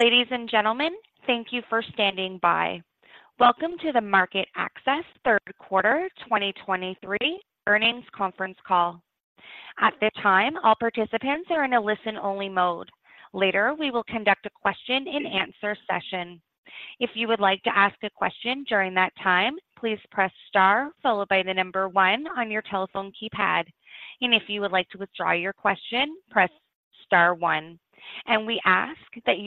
Ladies and gentlemen, thank you for standing by. Welcome to the MarketAxess Third Quarter 2023 earnings conference call. At this time, all participants are in a listen-only mode. Later, we will conduct a question-and-answer session. If you would like to ask a question during that time, please press star followed by the number 1 on your telephone keypad. And if you would like to withdraw your question, press star one. And we ask that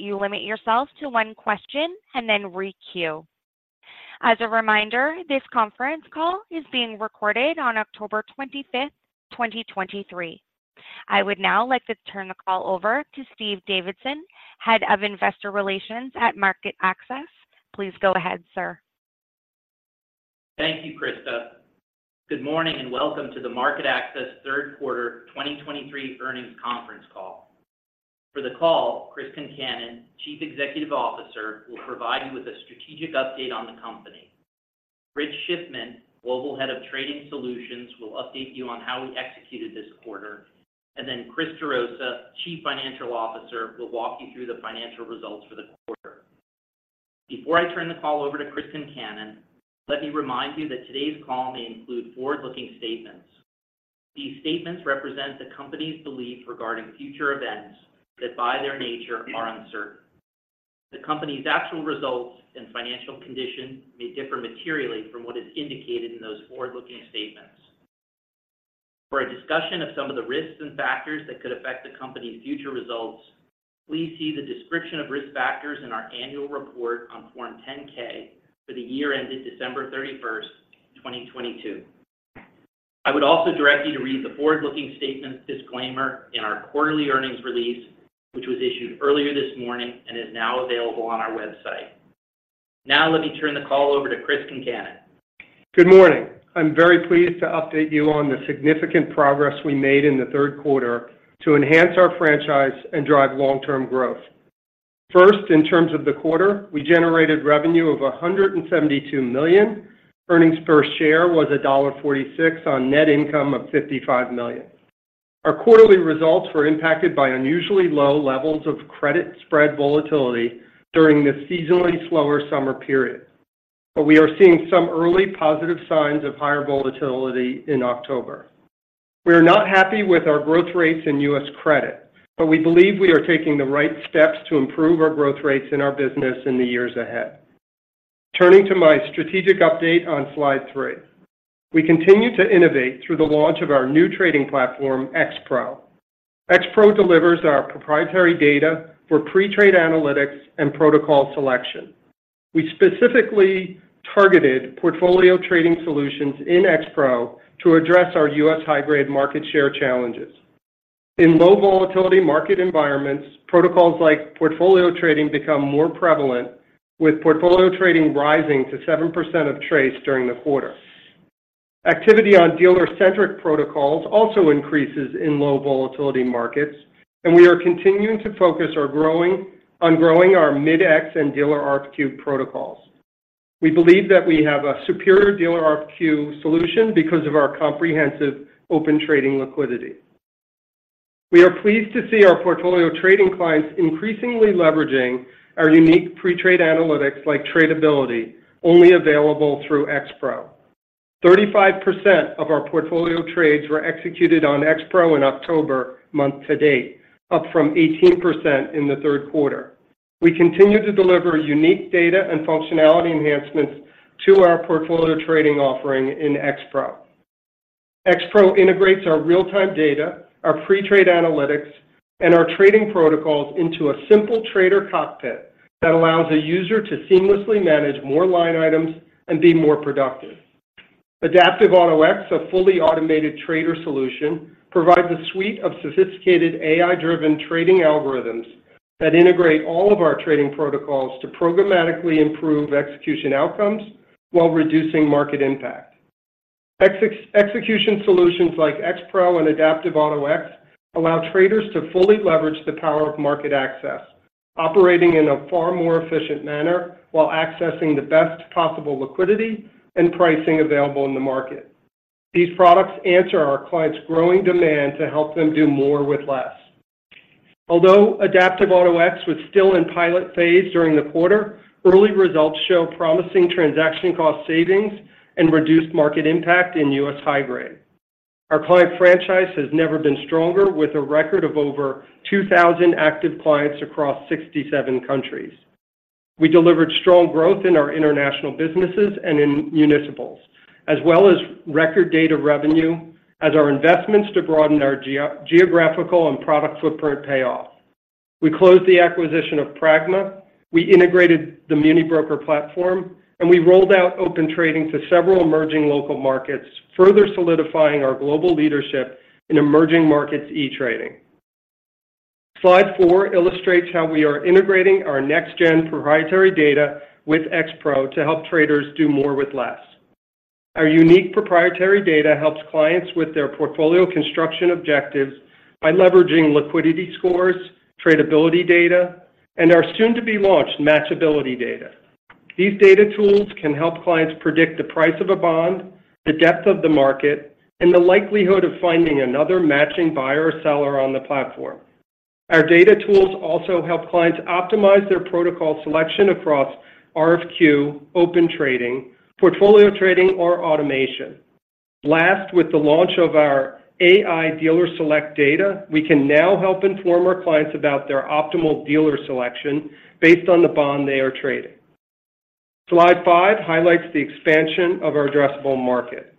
you limit yourself to one question and then re-queue. As a reminder, this conference call is being recorded on October 25th, 2023. I would now like to turn the call over to Steve Davidson, Head of investor relations at MarketAxess. Please go ahead, sir. Thank you, Krista. Good morning, and welcome to the MarketAxess Third Quarter 2023 earnings conference call. For the call, Chris Concannon, Chief Executive Officer, will provide you with a strategic update on the company. Richard Schiffman, Global Head of Trading Solutions, will update you on how we executed this quarter, and then Christopher Gerosa, Chief Financial Officer, will walk you through the financial results for the quarter. Before I turn the call over to Chris Concannon, let me remind you that today's call may include forward-looking statements. These statements represent the company's belief regarding future events that, by their nature, are uncertain. The company's actual results and financial condition may differ materially from what is indicated in those forward-looking statements. For a discussion of some of the risks and factors that could affect the company's future results, please see the description of risk factors in our annual report on Form 10-K for the year ended December 31st, 2022. I would also direct you to read the forward-looking statements disclaimer in our quarterly earnings release, which was issued earlier this morning and is now available on our website. Now, let me turn the call over to Chris Concannon. Good morning. I'm very pleased to update you on the significant progress we made in the third quarter to enhance our franchise and drive long-term growth. First, in terms of the quarter, we generated revenue of $172 million. Earnings per share was $1.46 on net income of $55 million. Our quarterly results were impacted by unusually low levels of credit spread volatility during this seasonally slower summer period, but we are seeing some early positive signs of higher volatility in October. We are not happy with our growth rates in U.S. credit, but we believe we are taking the right steps to improve our growth rates in our business in the years ahead. Turning to my strategic update on slide three. We continue to innovate through the launch of our new trading platform, X-Pro. X-Pro delivers our proprietary data for pre-trade analytics and protocol selection. We specifically targeted portfolio trading solutions in X-Pro to address our U.S. high-grade market share challenges. In low-volatility market environments, protocols like portfolio trading become more prevalent, with portfolio trading rising to 7% of trades during the quarter. Activity on dealer-centric protocols also increases in low-volatility markets, and we are continuing to focus on growing our Mid-X and Dealer RFQ protocols. We believe that we have a superior Dealer RFQ solution because of our comprehensive Open Trading liquidity. We are pleased to see our portfolio trading clients increasingly leveraging our unique pre-trade analytics like Tradability, only available through X-Pro. 35% of our portfolio trades were executed on X-Pro in October month to date, up from 18% in the third quarter. We continue to deliver unique data and functionality enhancements to our portfolio trading offering in X-Pro. X-Pro integrates our real-time data, our pre-trade analytics, and our trading protocols into a simple trader cockpit that allows a user to seamlessly manage more line items and be more productive. Adaptive Auto-X, a fully automated trader solution, provides a suite of sophisticated AI-driven trading algorithms that integrate all of our trading protocols to programmatically improve execution outcomes while reducing market impact. Execution solutions like X-Pro and Adaptive Auto-X allow traders to fully leverage the power of MarketAxess, operating in a far more efficient manner while accessing the best possible liquidity and pricing available in the market. These products answer our clients' growing demand to help them do more with less. Although Adaptive Auto-X was still in pilot phase during the quarter, early results show promising transaction cost savings and reduced market impact in U.S. high grade. Our client franchise has never been stronger, with a record of over 2,000 active clients across 67 countries. We delivered strong growth in our international businesses and in municipals, as well as record data revenue as our investments to broaden our geographical and product footprint pay off. We closed the acquisition of Pragma, we integrated the MuniBrokers platform, and we rolled out Open Trading to several emerging local markets, further solidifying our global leadership in emerging markets e-trading. Slide four illustrates how we are integrating our next-gen proprietary data with X-Pro to help traders do more with less. Our unique proprietary data helps clients with their portfolio construction objectives by leveraging liquidity scores, tradability data, and our soon-to-be-launched Matchability data.... These data tools can help clients predict the price of a bond, the depth of the market, and the likelihood of finding another matching buyer or seller on the platform. Our data tools also help clients optimize their protocol selection across RFQ, Open Trading, portfolio trading, or automation. Last, with the launch of our AI Dealer Select data, we can now help inform our clients about their optimal dealer selection based on the bond they are trading. Slide five highlights the expansion of our addressable market.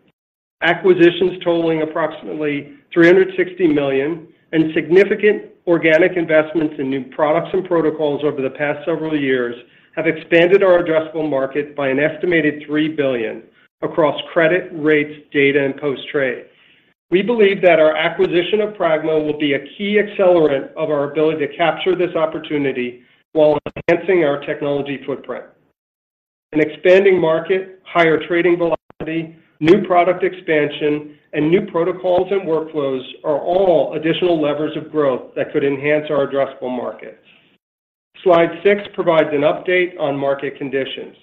Acquisitions totaling approximately $360 million, and significant organic investments in new products and protocols over the past several years, have expanded our addressable market by an estimated $3 billion across credit, rates, data, and post-trade. We believe that our acquisition of Pragma will be a key accelerant of our ability to capture this opportunity while enhancing our technology footprint. An expanding market, higher trading velocity, new product expansion, and new protocols and workflows are all additional levers of growth that could enhance our addressable markets. Slide six provides an update on market conditions.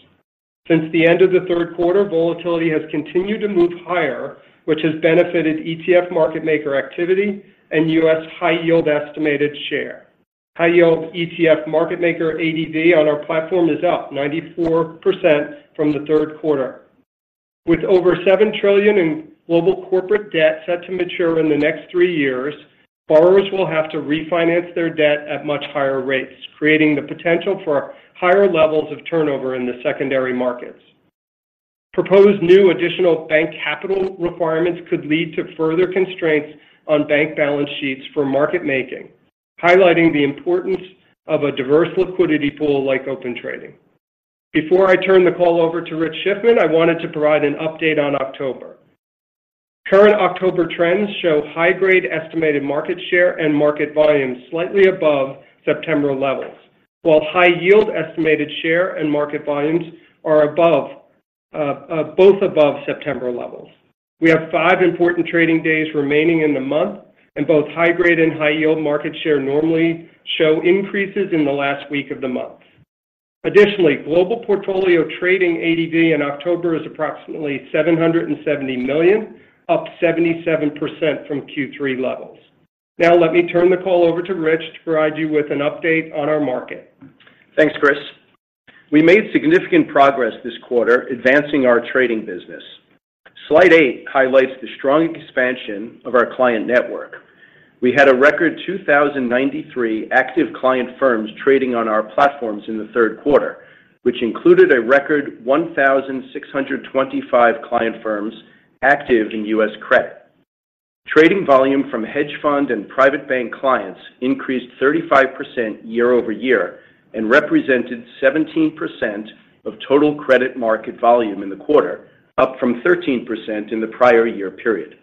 Since the end of the third quarter, volatility has continued to move higher, which has benefited ETF market maker activity and U.S. high yield estimated share. High yield ETF market maker ADV on our platform is up 94% from the third quarter. With over $7 trillion in global corporate debt set to mature in the next three years, borrowers will have to refinance their debt at much higher rates, creating the potential for higher levels of turnover in the secondary markets. Proposed new additional bank capital requirements could lead to further constraints on bank balance sheets for market making, highlighting the importance of a diverse liquidity pool like Open Trading. Before I turn the call over to Rich Schiffman, I wanted to provide an update on October. Current October trends show high-grade estimated market share and market volume slightly above September levels, while high yield estimated share and market volumes are above, both above September levels. We have five important trading days remaining in the month, and both high-grade and high-yield market share normally show increases in the last week of the month. Additionally, global portfolio trading ADV in October is approximately $770 million, up 77% from Q3 levels. Now, let me turn the call over to Rich to provide you with an update on our market. Thanks, Chris. We made significant progress this quarter advancing our trading business. Slide eight highlights the strong expansion of our client network. We had a record 2,093 active client firms trading on our platforms in the third quarter, which included a record 1,625 client firms active in U.S. credit. Trading volume from hedge fund and private bank clients increased 35% year-over-year and represented 17% of total credit market volume in the quarter, up from 13% in the prior year period.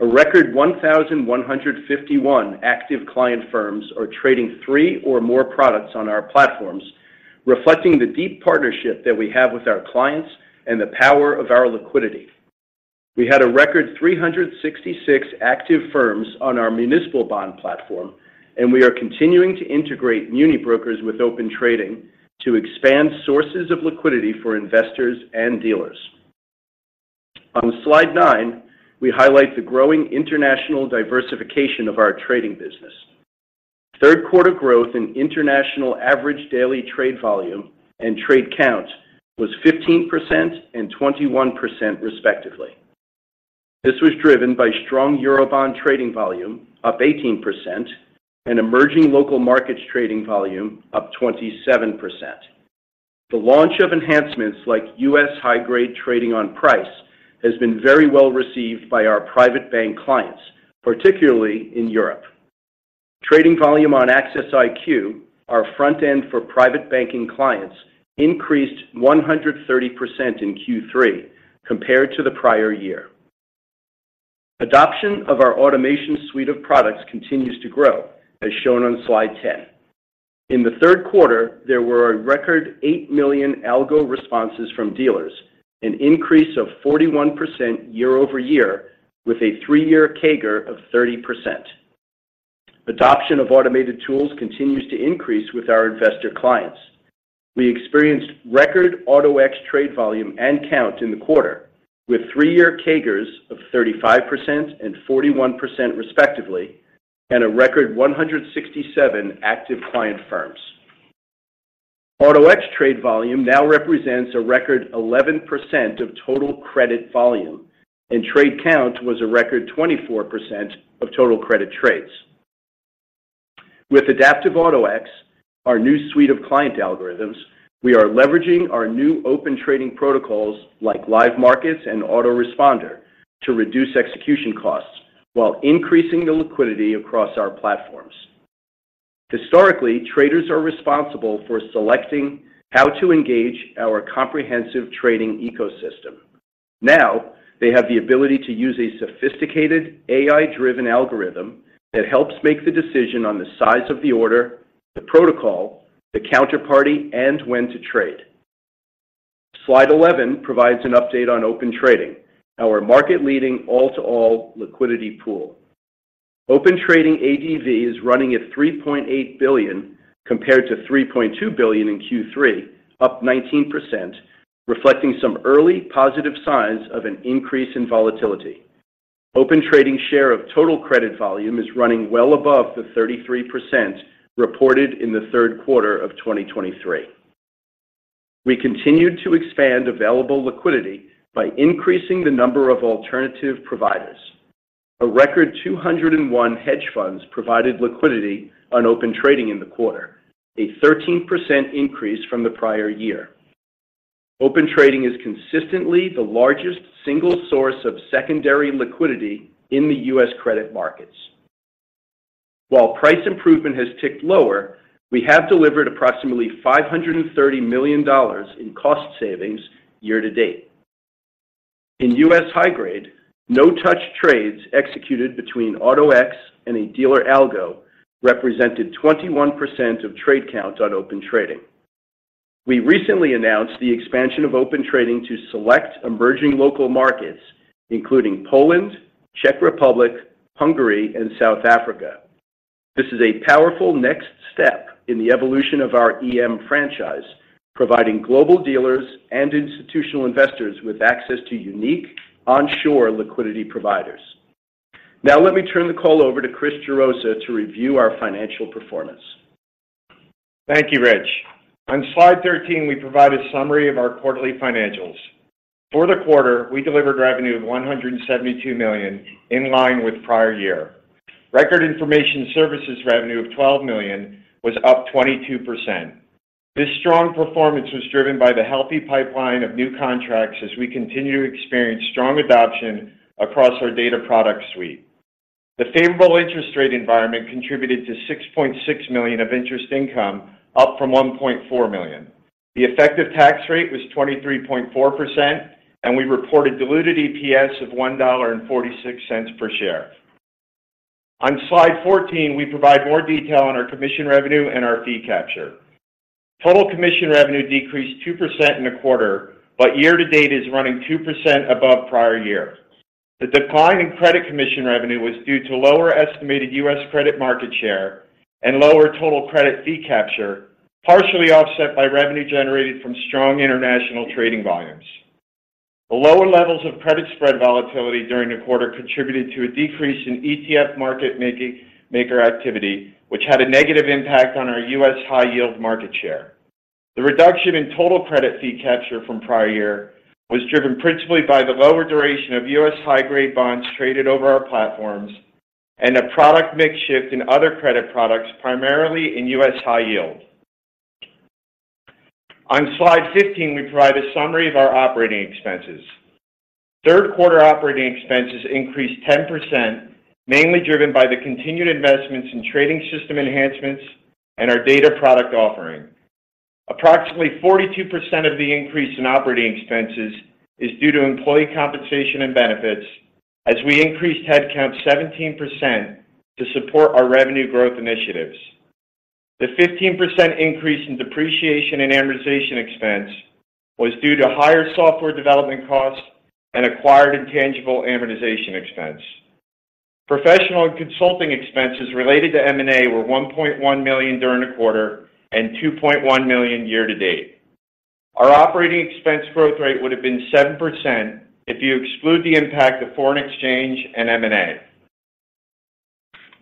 A record 1,151 active client firms are trading three or more products on our platforms, reflecting the deep partnership that we have with our clients and the power of our liquidity. We had a record 366 active firms on our municipal bond platform, and we are continuing to integrate MuniBrokers with Open Trading to expand sources of liquidity for investors and dealers. On slide nine, we highlight the growing international diversification of our trading business. Third quarter growth in international average daily trade volume and trade count was 15% and 21% respectively. This was driven by strong Eurobond trading volume, up 18%, and emerging local markets trading volume, up 27%. The launch of enhancements like US high-grade trading on price has been very well received by our private bank clients, particularly in Europe. Trading volume on Axess IQ, our front end for private banking clients, increased 130% in Q3 compared to the prior year. Adoption of our automation suite of products continues to grow, as shown on slide 10. In the third quarter, there were a record 8 million algo responses from dealers, an increase of 41% year-over-year, with a three-year CAGR of 30%. Adoption of automated tools continues to increase with our investor clients. We experienced record Auto-X trade volume and count in the quarter, with three-year CAGRs of 35% and 41% respectively, and a record 167 active client firms. Auto-X trade volume now represents a record 11% of total credit volume, and trade count was a record 24% of total credit trades. With Adaptive Auto-X, our new suite of client algorithms, we are leveraging our new Open Trading protocols like Live Markets and Auto-Responder to reduce execution costs while increasing the liquidity across our platforms. Historically, traders are responsible for selecting how to engage our comprehensive trading ecosystem. Now, they have the ability to use a sophisticated AI-driven algorithm that helps make the decision on the size of the order, the protocol, the counterparty, and when to trade. Slide 11 provides an update on Open Trading, our market-leading all-to-all liquidity pool. Open Trading ADV is running at $3.8 billion, compared to $3.2 billion in Q3, up 19%, reflecting some early positive signs of an increase in volatility. Open Trading share of total credit volume is running well above the 33% reported in the third quarter of 2023. We continued to expand available liquidity by increasing the number of alternative providers. A record 201 hedge funds provided liquidity on Open Trading in the quarter, a 13% increase from the prior year. Open Trading is consistently the largest single source of secondary liquidity in the U.S. credit markets. While price improvement has ticked lower, we have delivered approximately $530 million in cost savings year-to-date. In U.S. high grade, no-touch trades executed between AutoX and a dealer algo represented 21% of trade counts on Open Trading. We recently announced the expansion of Open Trading to select emerging local markets, including Poland, Czech Republic, Hungary, and South Africa. This is a powerful next step in the evolution of our EM franchise, providing global dealers and institutional investors with access to unique onshore liquidity providers. Now, let me turn the call over to Chris Gerosa to review our financial performance. Thank you, Rich. On Slide 13, we provide a summary of our quarterly financials. For the quarter, we delivered revenue of $172 million, in line with prior year. Record information services revenue of $12 million was up 22%. This strong performance was driven by the healthy pipeline of new contracts as we continue to experience strong adoption across our data product suite. The favorable interest rate environment contributed to $6.6 million of interest income, up from $1.4 million. The effective tax rate was 23.4%, and we reported diluted EPS of $1.46 per share. On Slide 14, we provide more detail on our commission revenue and our fee capture. Total commission revenue decreased 2% in the quarter, but year-to-date is running 2% above prior year. The decline in credit commission revenue was due to lower estimated U.S. credit market share and lower total credit fee capture, partially offset by revenue generated from strong international trading volumes. The lower levels of credit spread volatility during the quarter contributed to a decrease in ETF market maker activity, which had a negative impact on our U.S. high-yield market share. The reduction in total credit fee capture from prior year was driven principally by the lower duration of U.S. high-grade bonds traded over our platforms and a product mix shift in other credit products, primarily in U.S. high yield. On Slide 15, we provide a summary of our operating expenses. Third quarter operating expenses increased 10%, mainly driven by the continued investments in trading system enhancements and our data product offering. Approximately 42% of the increase in operating expenses is due to employee compensation and benefits, as we increased headcount 17% to support our revenue growth initiatives. The 15% increase in depreciation and amortization expense was due to higher software development costs and acquired intangible amortization expense. Professional and consulting expenses related to M&A were $1.1 million during the quarter and $2.1 million year-to-date. Our operating expense growth rate would have been 7% if you exclude the impact of foreign exchange and M&A.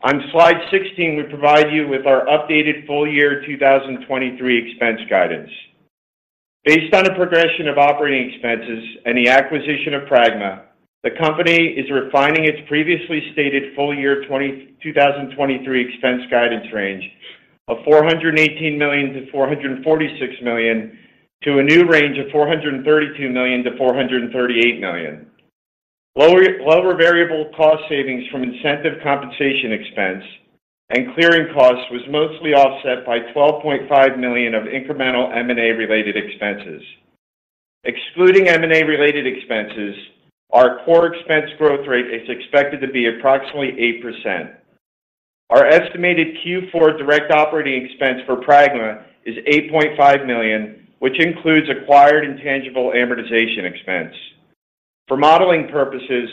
On Slide 16, we provide you with our updated full-year 2023 expense guidance. Based on a progression of operating expenses and the acquisition of Pragma, the company is refining its previously stated full year 2023 expense guidance range of $418 million-$446 million, to a new range of $432 million-$438 million. Lower variable cost savings from incentive compensation expense and clearing costs was mostly offset by $12.5 million of incremental M&A-related expenses. Excluding M&A-related expenses, our core expense growth rate is expected to be approximately 8%. Our estimated Q4 direct operating expense for Pragma is $8.5 million, which includes acquired intangible amortization expense. For modeling purposes,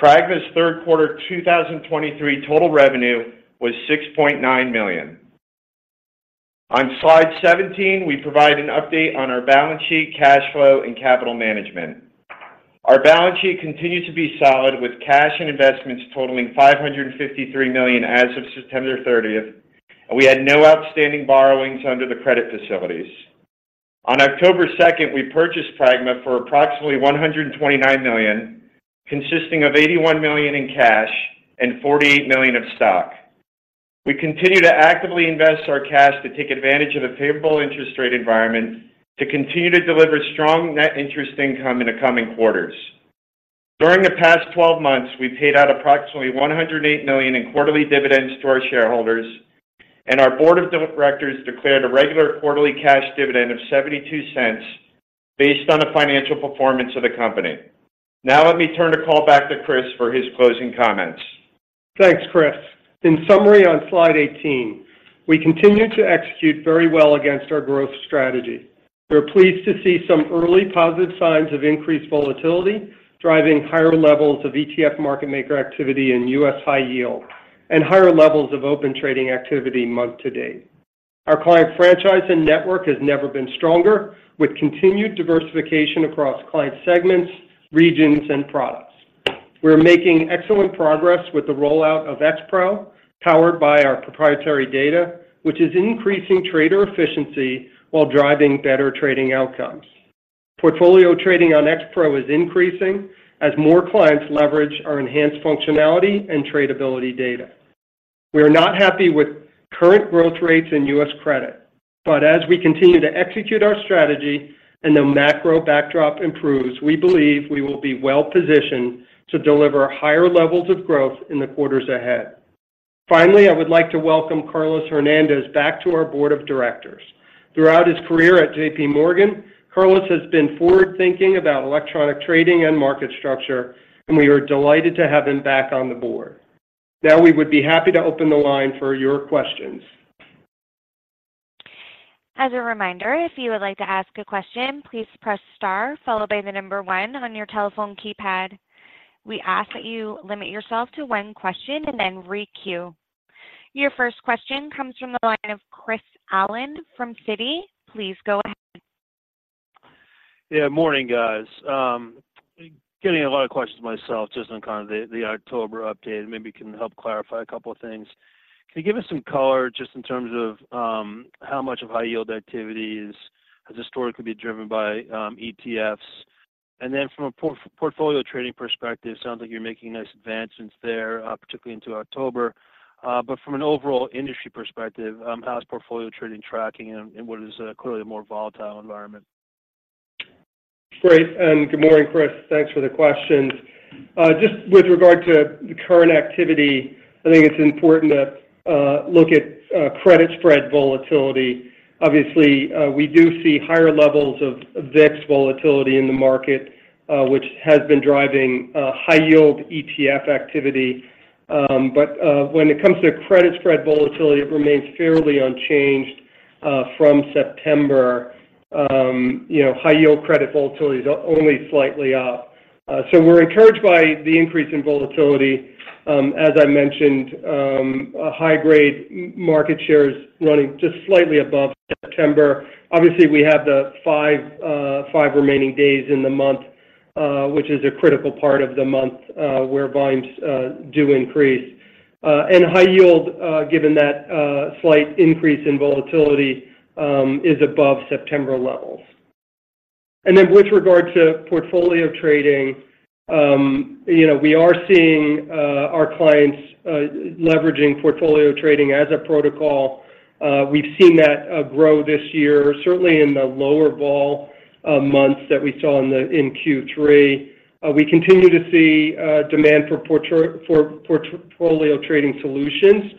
Pragma's third quarter 2023 total revenue was $6.9 million. On Slide 17, we provide an update on our balance sheet, cash flow, and capital management. Our balance sheet continues to be solid, with cash and investments totaling $553 million as of September 30, and we had no outstanding borrowings under the credit facilities. On October 2, we purchased Pragma for approximately $129 million, consisting of $81 million in cash and $48 million of stock. We continue to actively invest our cash to take advantage of the favorable interest rate environment to continue to deliver strong net interest income in the coming quarters. During the past 12 months, we paid out approximately $108 million in quarterly dividends to our shareholders, and our board of directors declared a regular quarterly cash dividend of $0.72 based on the financial performance of the company. Now, let me turn the call back to Chris for his closing comments. Thanks, Chris. In summary, on Slide 18-... We continue to execute very well against our growth strategy. We're pleased to see some early positive signs of increased volatility, driving higher levels of ETF market maker activity in U.S. high yield, and higher levels of Open Trading activity month to date. Our client franchise and network has never been stronger, with continued diversification across client segments, regions, and products. We're making excellent progress with the rollout of X-Pro, powered by our proprietary data, which is increasing trader efficiency while driving better trading outcomes. Portfolio trading on X-Pro is increasing as more clients leverage our enhanced functionality and tradability data. We are not happy with current growth rates in U.S. credit, but as we continue to execute our strategy and the macro backdrop improves, we believe we will be well-positioned to deliver higher levels of growth in the quarters ahead. Finally, I would like to welcome Carlos Hernandez back to our board of directors. Throughout his career at JPMorgan, Carlos has been forward-thinking about electronic trading and market structure, and we are delighted to have him back on the board. Now, we would be happy to open the line for your questions. As a reminder, if you would like to ask a question, please press star followed by the number one on your telephone keypad. We ask that you limit yourself to one question and then re-queue. Your first question comes from the line of Chris Allen from Citi. Please go ahead. Yeah, morning, guys. Getting a lot of questions myself, just on kind of the October update, maybe you can help clarify a couple of things. Can you give us some color just in terms of, how much of high yield activity has historically been driven by, ETFs? And then from a portfolio trading perspective, sounds like you're making nice advancements there, particularly into October. But from an overall industry perspective, how is portfolio trading tracking in, what is clearly a more volatile environment? Great. And good morning, Chris. Thanks for the questions. Just with regard to the current activity, I think it's important to look at credit spread volatility. Obviously, we do see higher levels of VIX volatility in the market, which has been driving high yield ETF activity. But when it comes to credit spread volatility, it remains fairly unchanged from September. You know, high yield credit volatility is only slightly up. So we're encouraged by the increase in volatility. As I mentioned, a high-grade market share is running just slightly above September. Obviously, we have the five remaining days in the month, which is a critical part of the month, where volumes do increase. And high yield, given that slight increase in volatility, is above September levels. And then with regard to portfolio trading, you know, we are seeing our clients leveraging portfolio trading as a protocol. We've seen that grow this year, certainly in the lower vol months that we saw in Q3. We continue to see demand for portfolio trading solutions,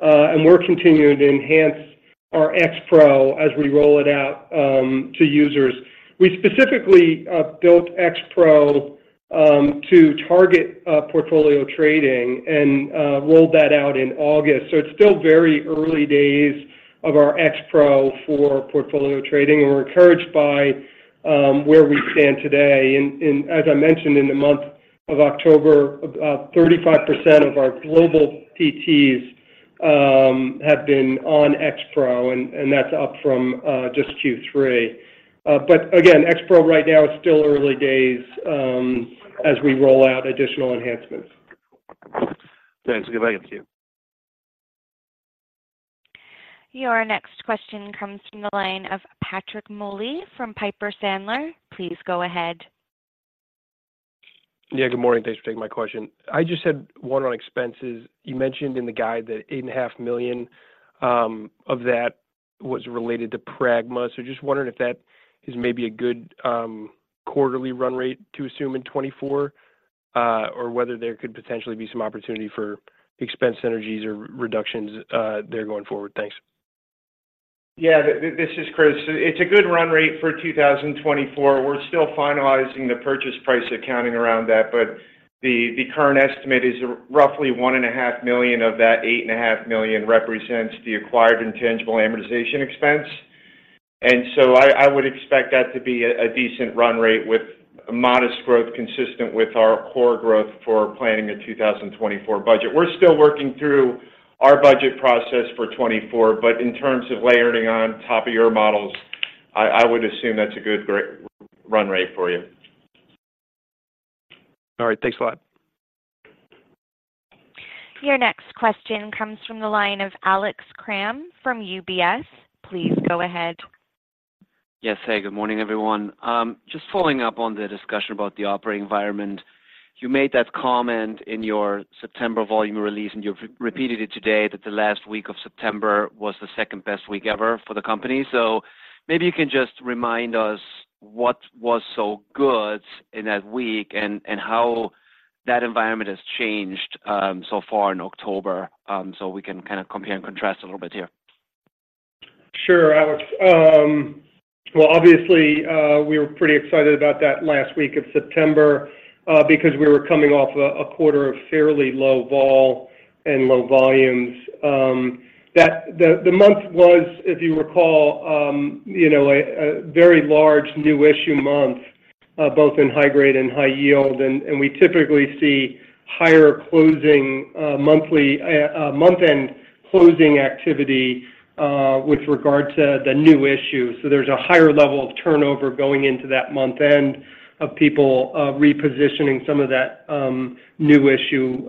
and we're continuing to enhance our X-Pro as we roll it out to users. We specifically built X-Pro to target portfolio trading and rolled that out in August. So it's still very early days of our X-Pro for portfolio trading, and we're encouraged by where we stand today. And as I mentioned, in the month of October, 35% of our global PTs have been on X-Pro, and that's up from just Q3. But again, X-Pro right now is still early days as we roll out additional enhancements. Thanks. Good. Thank you. Your next question comes from the line of Patrick Moley from Piper Sandler. Please go ahead. Yeah, good morning. Thanks for taking my question. I just had one on expenses. You mentioned in the guide that $8.5 million of that was related to Pragma. So just wondering if that is maybe a good quarterly run rate to assume in 2024, or whether there could potentially be some opportunity for expense synergies or reductions there going forward? Thanks. Yeah, this is Chris. It's a good run rate for 2024. We're still finalizing the purchase price accounting around that, but the current estimate is roughly $1.5 million of that $8.5 million represents the acquired intangible amortization expense. And so I would expect that to be a decent run rate with modest growth, consistent with our core growth for planning a 2024 budget. We're still working through our budget process for 2024, but in terms of layering on top of your models, I would assume that's a good run rate for you. All right. Thanks a lot. Your next question comes from the line of Alex Kramm from UBS. Please go ahead. Yes. Hey, good morning, everyone. Just following up on the discussion about the operating environment. You made that comment in your September volume release, and you've repeated it today, that the last week of September was the second-best week ever for the company. So maybe you can just remind us what was so good in that week and how that environment has changed so far in October, so we can kind of compare and contrast a little bit here?... Sure, Alex. Well, obviously, we were pretty excited about that last week of September, because we were coming off a quarter of fairly low vol and low volumes. That the month was, if you recall, you know, a very large new issue month, both in high grade and high yield, and we typically see higher closing monthly month-end closing activity with regard to the new issue. So there's a higher level of turnover going into that month-end of people repositioning some of that new issue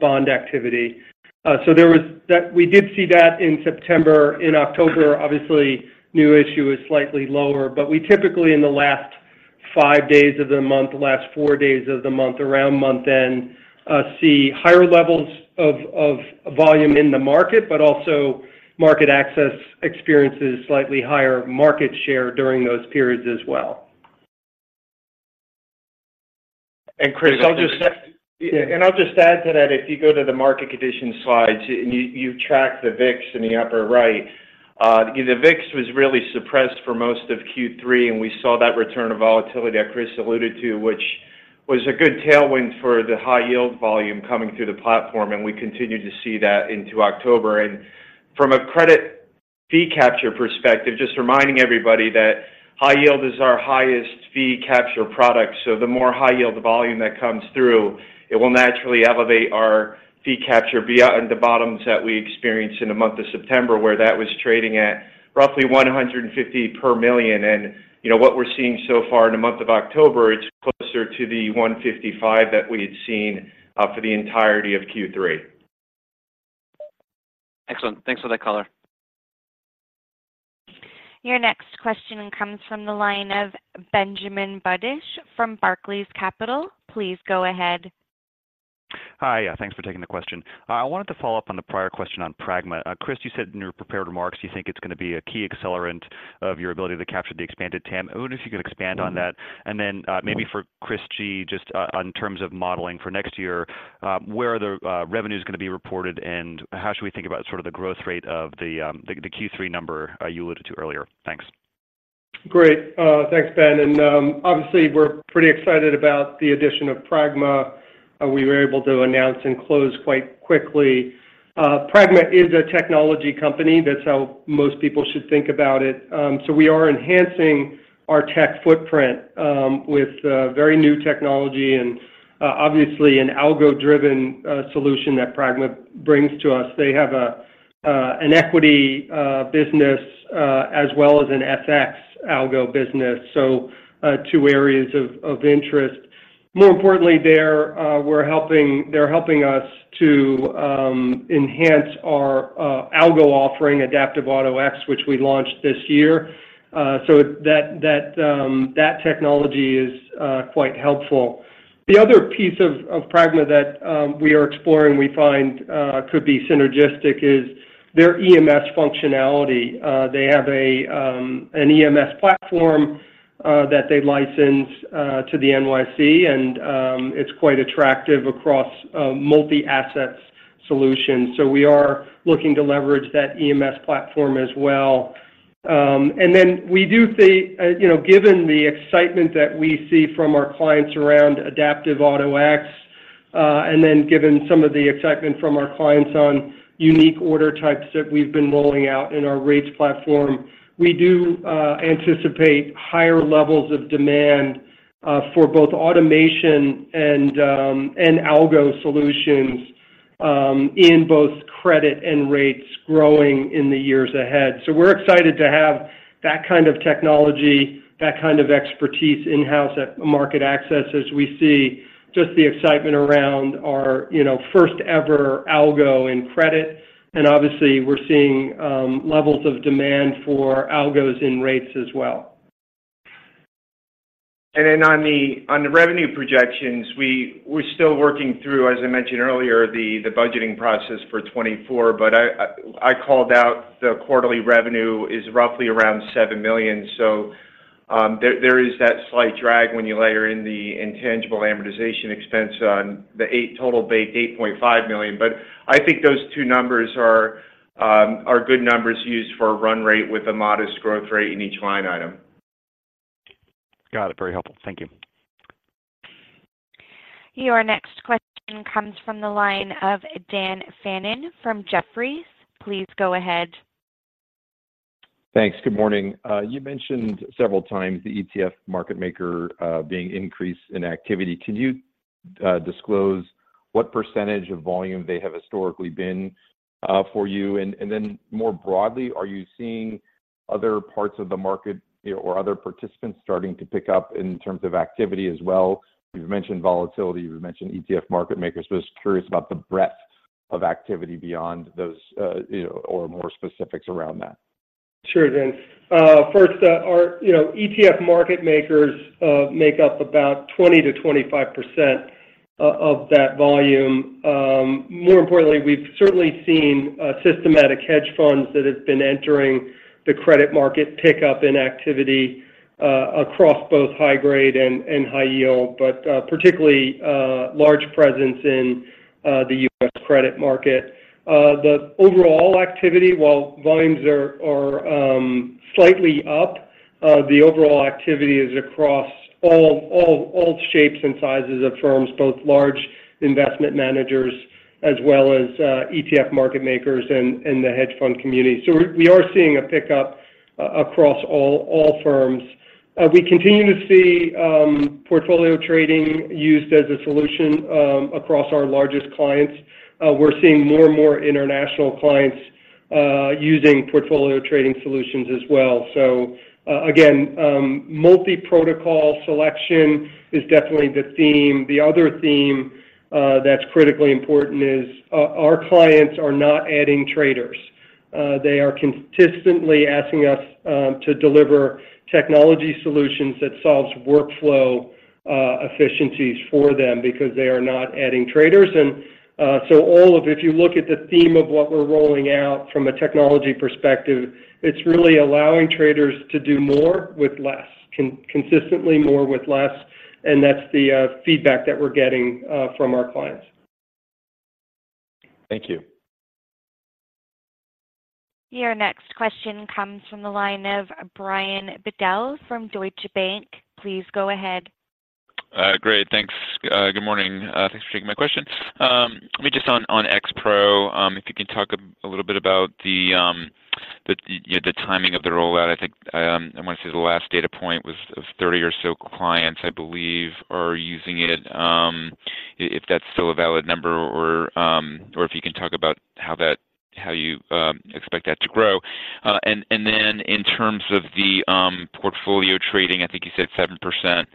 bond activity. So there was that... We did see that in September. In October, obviously, new issue was slightly lower, but we typically, in the last five days of the month, last four days of the month, around month-end, see higher levels of volume in the market, but also MarketAxess experiences slightly higher market share during those periods as well. Chris, I'll just add- Yeah. I'll just add to that, if you go to the market conditions slides, and you track the VIX in the upper right, the VIX was really suppressed for most of Q3, and we saw that return of volatility that Chris alluded to, which was a good tailwind for the high yield volume coming through the platform, and we continued to see that into October. From a credit fee capture perspective, just reminding everybody that high yield is our highest fee capture product. So the more high yield volume that comes through, it will naturally elevate our fee capture via the bottoms that we experienced in the month of September, where that was trading at roughly $150 per million. You know, what we're seeing so far in the month of October, it's closer to the $155 that we had seen for the entirety of Q3. Excellent. Thanks for that color. Your next question comes from the line of Benjamin Budish from Barclays Capital. Please go ahead. Hi, yeah, thanks for taking the question. I wanted to follow up on the prior question on Pragma. Chris, you said in your prepared remarks, you think it's going to be a key accelerant of your ability to capture the expanded TAM. I wonder if you could expand on that. And then, maybe for Chris G, just, in terms of modeling for next year, where are the revenues going to be reported, and how should we think about sort of the growth rate of the Q3 number you alluded to earlier? Thanks. Great. Thanks, Ben. And, obviously, we're pretty excited about the addition of Pragma. We were able to announce and close quite quickly. Pragma is a technology company. That's how most people should think about it. So we are enhancing our tech footprint with very new technology and obviously an algo-driven solution that Pragma brings to us. They have an equity business as well as an FX algo business, so two areas of interest. More importantly, they're helping us to enhance our algo offering, Adaptive Auto-X, which we launched this year. So that technology is quite helpful. The other piece of Pragma that we are exploring we find could be synergistic is their EMS functionality. They have an EMS platform that they license to the NYSE, and it's quite attractive across multi-assets solutions. So we are looking to leverage that EMS platform as well. We do see, you know, given the excitement that we see from our clients around Adaptive Auto-X, and then given some of the excitement from our clients on unique order types that we've been rolling out in our rates platform, we do anticipate higher levels of demand for both automation and algo solutions in both credit and rates growing in the years ahead. So we're excited to have that kind of technology, that kind of expertise in-house at MarketAxess, as we see just the excitement around our, you know, first-ever algo in credit. Obviously, we're seeing levels of demand for algos in rates as well. And then on the revenue projections, we're still working through, as I mentioned earlier, the budgeting process for 2024, but I called out the quarterly revenue is roughly around $7 million. So, there is that slight drag when you layer in the intangible amortization expense on the 8 total base, $8.5 million. But I think those two numbers are good numbers used for a run rate with a modest growth rate in each line item. Got it. Very helpful. Thank you. Your next question comes from the line of Dan Fannon from Jefferies. Please go ahead. Thanks. Good morning. You mentioned several times the ETF market maker being increased in activity. Can you disclose what percentage of volume they have historically been for you? And then, more broadly, are you seeing other parts of the market or other participants starting to pick up in terms of activity as well? You've mentioned volatility, you've mentioned ETF market makers. So just curious about the breadth of activity beyond those, you know, or more specifics around that. Sure, Dan. First, our, you know, ETF market makers make up about 20%-25% of that volume. More importantly, we've certainly seen systematic hedge funds that have been entering the credit market pick up in activity across both high grade and high yield, but particularly large presence in the U.S. credit market. The overall activity, while volumes are slightly up, the overall activity is across all shapes and sizes of firms, both large investment managers as well as ETF market makers and the hedge fund community. So we are seeing a pickup across all firms. We continue to see portfolio trading used as a solution across our largest clients. We're seeing more and more international clients using portfolio trading solutions as well. So, again, multi-protocol selection is definitely the theme. The other theme that's critically important is our clients are not adding traders. They are consistently asking us to deliver technology solutions that solves workflow efficiencies for them because they are not adding traders. So all of—if you look at the theme of what we're rolling out from a technology perspective, it's really allowing traders to do more with less, consistently more with less, and that's the feedback that we're getting from our clients. Thank you. Your next question comes from the line of Brian Bedell from Deutsche Bank. Please go ahead. Great. Thanks. Good morning. Thanks for taking my question. Just on X-Pro, if you could talk a little bit about the timing of the rollout. I think I want to say the last data point was of 30 or so clients, I believe, are using it, if that's still a valid number or if you can talk about how that, how you expect that to grow. And then in terms of the portfolio trading, I think you said 7%,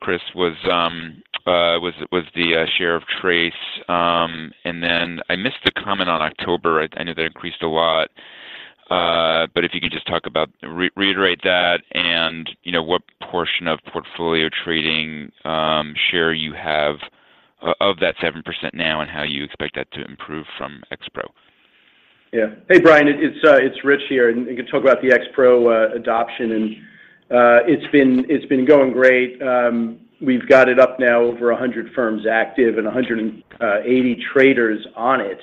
Chris, was the share of trades. And then I missed the comment on October. I know that increased a lot, but if you could just talk about... Reiterate that and, you know, what portion of portfolio trading share you have of that 7% now and how you expect that to improve from X-Pro. Yeah. Hey, Brian, it's Rich here, and I can talk about the X-Pro adoption and it's been going great. We've got it up now, over 100 firms active and 180 traders on it.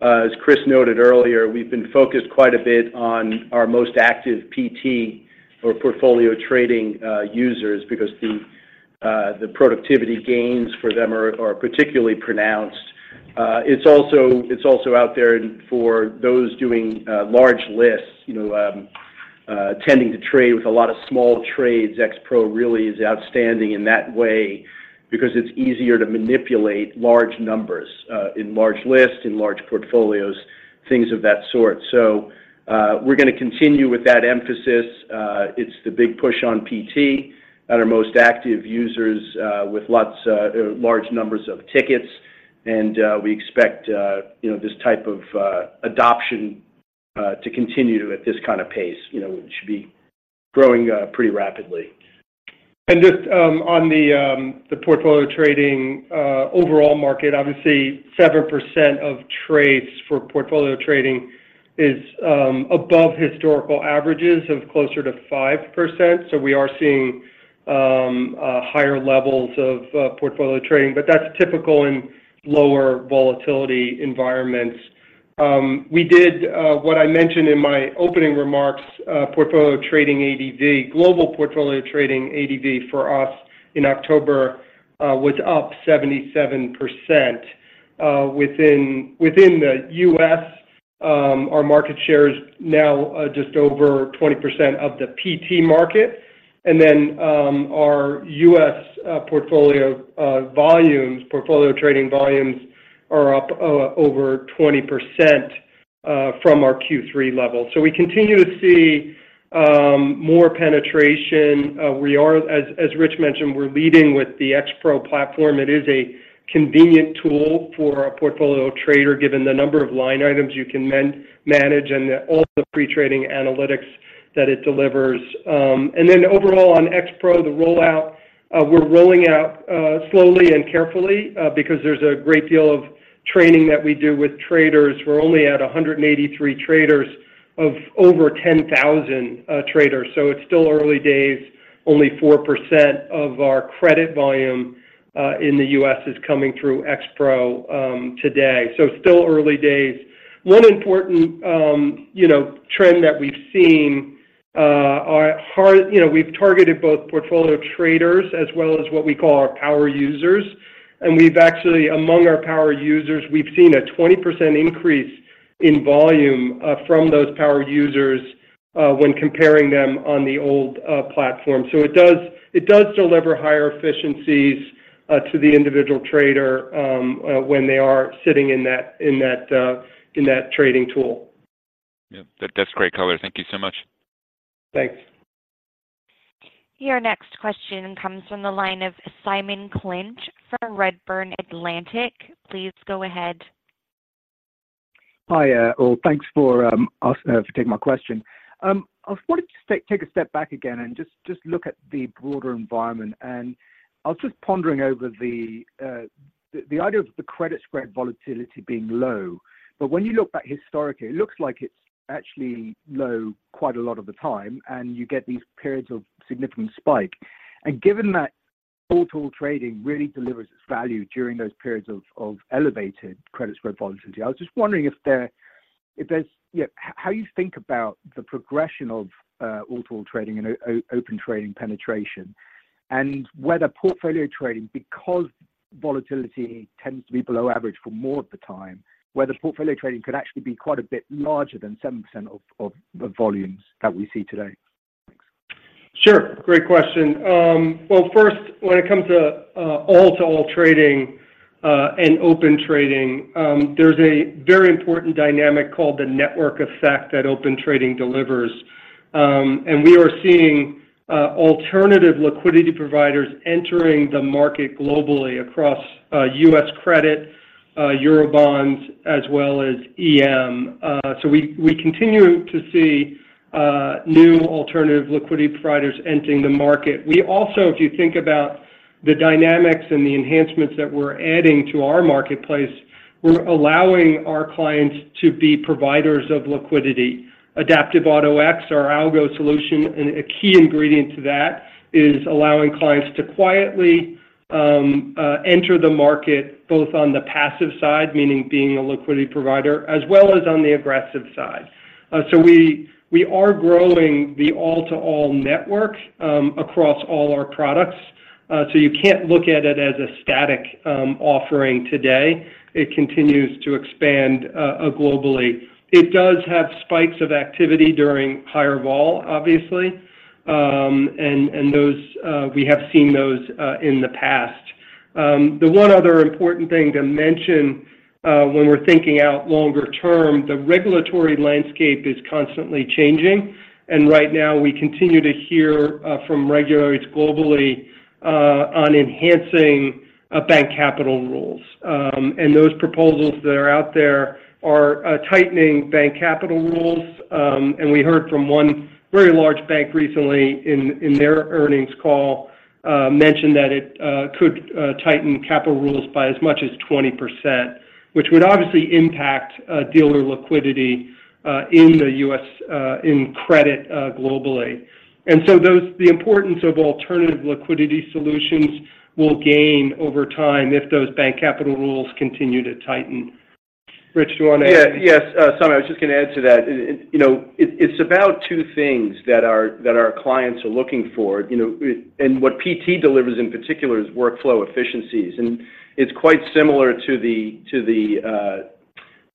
As Chris noted earlier, we've been focused quite a bit on our most active PT or portfolio trading users because the productivity gains for them are particularly pronounced. It's also out there for those doing large lists, you know, tending to trade with a lot of small trades. X-Pro really is outstanding in that way because it's easier to manipulate large numbers in large lists, in large portfolios, things of that sort. So, we're gonna continue with that emphasis. It's the big push on PT and our most active users, with lots, large numbers of tickets, and we expect, you know, this type of adoption, to continue at this kind of pace. You know, it should be growing, pretty rapidly. Just on the portfolio trading overall market, obviously, 7% of trades for portfolio trading is above historical averages of closer to 5%. So we are seeing higher levels of portfolio trading, but that's typical in lower volatility environments. We did what I mentioned in my opening remarks, portfolio trading ADV. Global portfolio trading ADV for us in October was up 77%. Within the U.S., our market share is now just over 20% of the PT market, and then, our U.S. portfolio volumes, portfolio trading volumes are up over 20% from our Q3 level. So we continue to see more penetration. We are, as Rich mentioned, we're leading with the XPro platform. It is a convenient tool for a portfolio trader, given the number of line items you can manage and all the pre-trading analytics that it delivers. And then overall on X-Pro, the rollout, we're rolling out slowly and carefully, because there's a great deal of training that we do with traders. We're only at 183 traders of over 10,000 traders, so it's still early days. Only 4% of our credit volume in the U.S. is coming through X-Pro today, so still early days. One important, you know, trend that we've seen are hard... You know, we've targeted both portfolio traders as well as what we call our power users, and we've actually, among our power users, we've seen a 20% increase in volume from those power users when comparing them on the old platform. So it does, it does deliver higher efficiencies to the individual trader when they are sitting in that trading tool. Yep, that, that's great color. Thank you so much. Thanks. Your next question comes from the line of Simon Clinch from Redburn Atlantic. Please go ahead. Hi, well, thanks for taking my question. I wanted to take a step back again and just look at the broader environment. And I was just pondering over the idea of the credit spread volatility being low. But when you look back historically, it looks like it's actually low quite a lot of the time, and you get these periods of significant spike. And given that all-to-all trading really delivers its value during those periods of elevated credit spread volatility. I was just wondering if there's—yeah, how you think about the progression of all-to-all trading and open trading penetration, and whether portfolio trading, because volatility tends to be below average for more of the time, whether portfolio trading could actually be quite a bit larger than 7% of the volumes that we see today? Thanks. Sure. Great question. Well, first, when it comes to all-to-all trading and Open Trading, there's a very important dynamic called the network effect that Open Trading delivers. And we are seeing alternative liquidity providers entering the market globally across U.S. credit, Eurobonds, as well as EM. So we continue to see new alternative liquidity providers entering the market. We also, if you think about the dynamics and the enhancements that we're adding to our marketplace, we're allowing our clients to be providers of liquidity. Adaptive AutoX, our algo solution, and a key ingredient to that is allowing clients to quietly enter the market, both on the passive side, meaning being a liquidity provider, as well as on the aggressive side. So we are growing the all-to-all network across all our products. So you can't look at it as a static offering today. It continues to expand globally. It does have spikes of activity during higher vol, obviously, and those we have seen those in the past. The one other important thing to mention when we're thinking out longer term, the regulatory landscape is constantly changing, and right now, we continue to hear from regulators globally on enhancing bank capital rules. And those proposals that are out there are tightening bank capital rules. And we heard from one very large bank recently in their earnings call mention that it could tighten capital rules by as much as 20%, which would obviously impact dealer liquidity in the U.S. in credit globally. And so those... The importance of alternative liquidity solutions will gain over time if those bank capital rules continue to tighten. Rich, do you want to add? Yeah. Yes, Sonny, I was just going to add to that. And, you know, it, it's about two things that our, that our clients are looking for, you know, it—and what PT delivers in particular is workflow efficiencies. And it's quite similar to the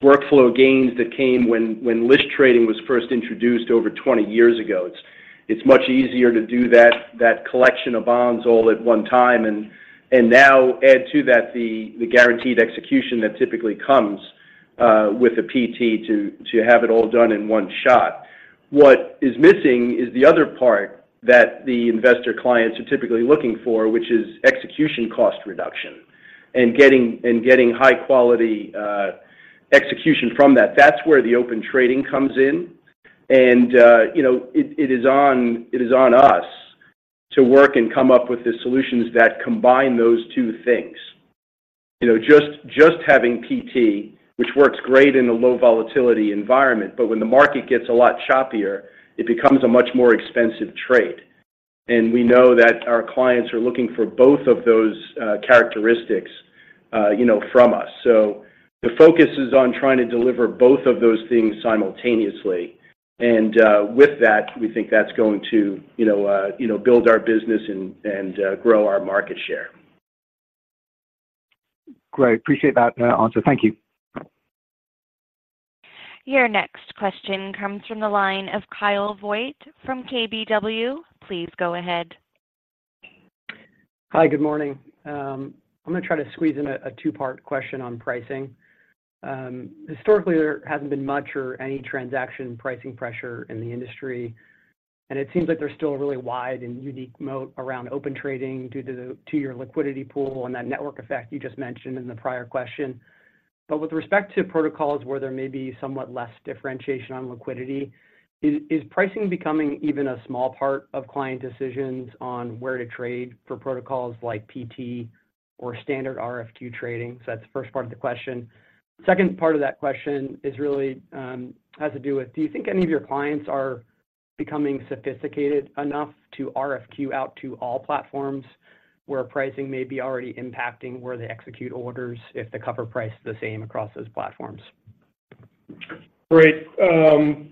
workflow gains that came when list trading was first introduced over 20 years ago. It's much easier to do that collection of bonds all at one time, and now add to that the guaranteed execution that typically comes with a PT to have it all done in one shot. What is missing is the other part that the investor clients are typically looking for, which is execution cost reduction and getting high-quality execution from that. That's where the Open Trading comes in, and, you know, it, it is on, it is on us to work and come up with the solutions that combine those two things. You know, just, just having PT, which works great in a low volatility environment, but when the market gets a lot choppier, it becomes a much more expensive trade. And we know that our clients are looking for both of those, characteristics, you know, from us. So the focus is on trying to deliver both of those things simultaneously, and, with that, we think that's going to, you know, you know, build our business and, and, grow our market share. Great. Appreciate that, answer. Thank you. Your next question comes from the line of Kyle Voigt from KBW. Please go ahead. Hi, good morning. I'm going to try to squeeze in a two-part question on pricing. Historically, there hasn't been much or any transaction pricing pressure in the industry, and it seems like there's still a really wide and unique moat around Open Trading due to your liquidity pool and that network effect you just mentioned in the prior question. But with respect to protocols where there may be somewhat less differentiation on liquidity, is pricing becoming even a small part of client decisions on where to trade for protocols like PT or standard RFQ trading? So that's the first part of the question. Second part of that question is really, has to do with, do you think any of your clients are becoming sophisticated enough to RFQ out to all platforms, where pricing may be already impacting where they execute orders if the cover price is the same across those platforms? Great. On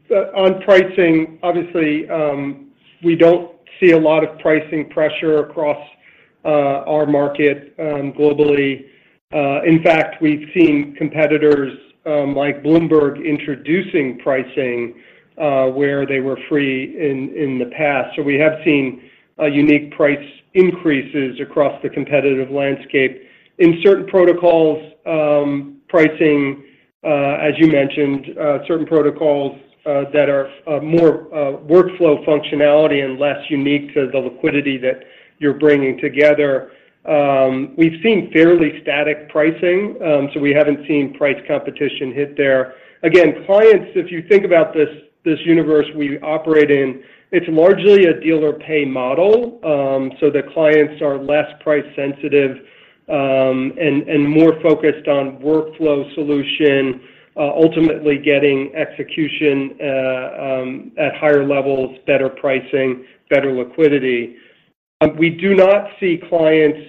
pricing, obviously, we don't see a lot of pricing pressure across our market globally. In fact, we've seen competitors like Bloomberg introducing pricing where they were free in the past. So we have seen unique price increases across the competitive landscape. In certain protocols, pricing, as you mentioned, certain protocols that are more workflow functionality and less unique to the liquidity that you're bringing together, we've seen fairly static pricing, so we haven't seen price competition hit there. Again, clients, if you think about this, this universe we operate in, it's largely a dealer pay model, so the clients are less price-sensitive. And more focused on workflow solution, ultimately getting execution at higher levels, better pricing, better liquidity. We do not see clients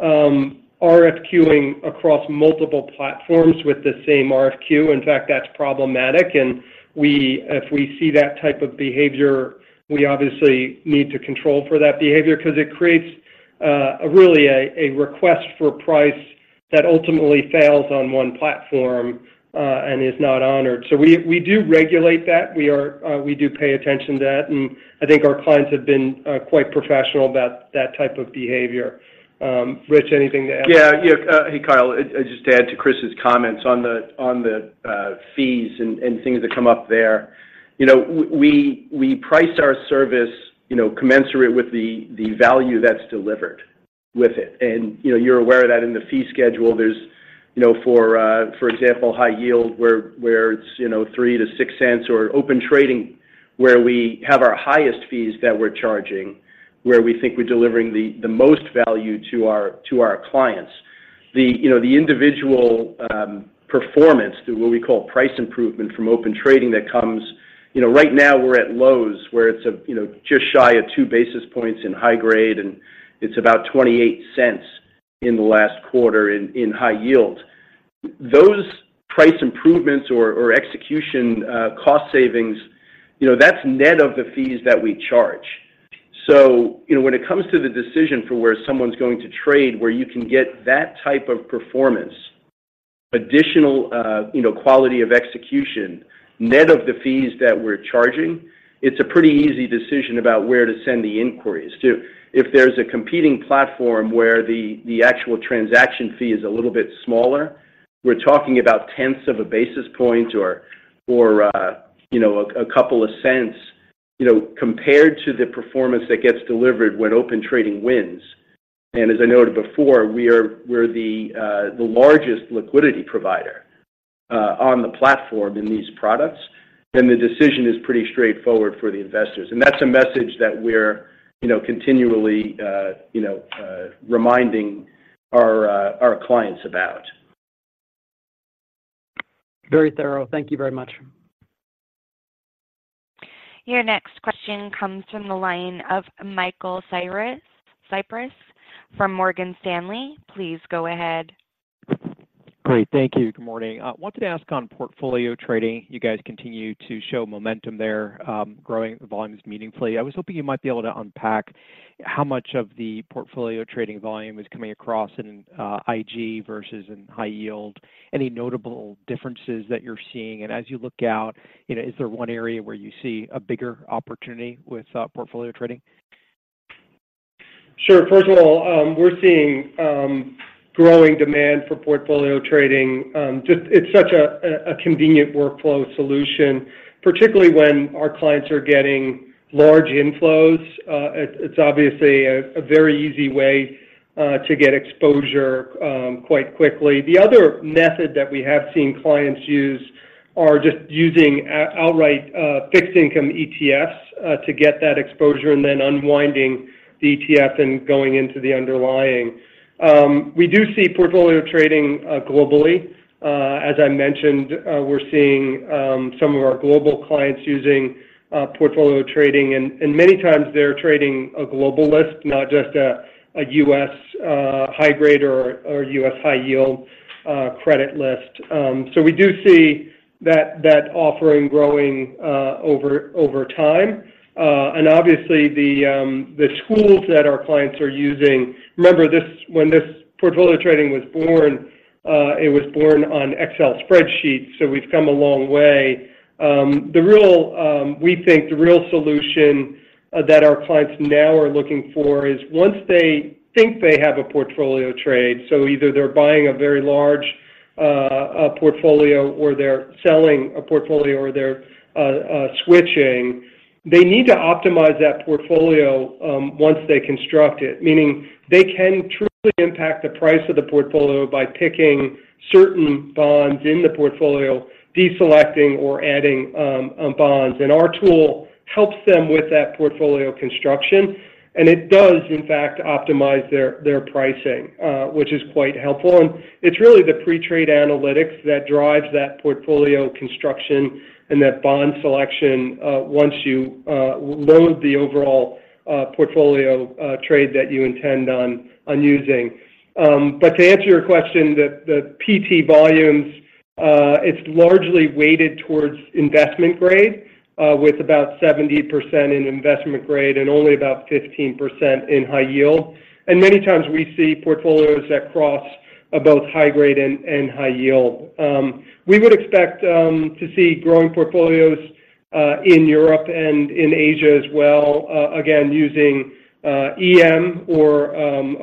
RFQ-ing across multiple platforms with the same RFQ. In fact, that's problematic, and if we see that type of behavior, we obviously need to control for that behavior because it creates really a request for price that ultimately fails on one platform and is not honored. So we do regulate that. We do pay attention to that, and I think our clients have been quite professional about that type of behavior. Rich, anything to add? Yeah. Yeah, hey, Kyle. Just to add to Chris's comments on the fees and things that come up there. You know, we price our service, you know, commensurate with the value that's delivered with it. And, you know, you're aware of that in the fee schedule. There's, you know, for example, high yield, where it's $0.03-$0.06, or Open Trading, where we have our highest fees that we're charging, where we think we're delivering the most value to our clients. The individual performance, the—what we call price improvement from Open Trading that comes... You know, right now, we're at lows, where it's just shy of 2 basis points in high grade, and it's about $0.28 in the last quarter in high yield. Those price improvements or execution cost savings, you know, that's net of the fees that we charge. So, you know, when it comes to the decision for where someone's going to trade, where you can get that type of performance, additional, you know, quality of execution, net of the fees that we're charging, it's a pretty easy decision about where to send the inquiries. If there's a competing platform where the actual transaction fee is a little bit smaller, we're talking about tenths of a basis point or, you know, a couple of cents, you know, compared to the performance that gets delivered when Open Trading wins. And as I noted before, we're the largest liquidity provider on the platform in these products, then the decision is pretty straightforward for the investors. That's a message that we're, you know, continually, you know, reminding our clients about. Very thorough. Thank you very much. Your next question comes from the line of Michael Cyprys from Morgan Stanley. Please go ahead. Great. Thank you. Good morning. I wanted to ask on portfolio trading, you guys continue to show momentum there, growing the volumes meaningfully. I was hoping you might be able to unpack how much of the portfolio trading volume is coming across in IG versus in high yield. Any notable differences that you're seeing? And as you look out, you know, is there one area where you see a bigger opportunity with portfolio trading? Sure. First of all, we're seeing growing demand for portfolio trading. Just, it's such a convenient workflow solution, particularly when our clients are getting large inflows. It's obviously a very easy way to get exposure quite quickly. The other method that we have seen clients use are just using outright fixed-income ETFs to get that exposure and then unwinding the ETF and going into the underlying. We do see portfolio trading globally. As I mentioned, we're seeing some of our global clients using portfolio trading, and many times they're trading a global list, not just a U.S. high-grade or U.S. high-yield credit list. So we do see that offering growing over time. Obviously, the tools that our clients are using. Remember, this, when this portfolio trading was born, it was born on Excel spreadsheets, so we've come a long way. We think the real solution that our clients now are looking for is once they think they have a portfolio trade, so either they're buying a very large portfolio or they're selling a portfolio or they're switching, they need to optimize that portfolio once they construct it. Meaning they can truly impact the price of the portfolio by picking certain bonds in the portfolio, deselecting or adding bonds. And our tool helps them with that portfolio construction, and it does, in fact, optimize their pricing, which is quite helpful. It's really the pre-trade analytics that drives that portfolio construction and that bond selection, once you load the overall portfolio trade that you intend on using. But to answer your question, the PT volumes, it's largely weighted towards investment grade, with about 70% in investment grade and only about 15% in high yield. And many times we see portfolios that cross both high grade and high yield. We would expect to see growing portfolios in Europe and in Asia as well, again, using EM or